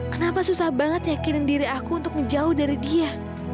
kenapa susah banget yakinin diri aku untuk menjauh dari dia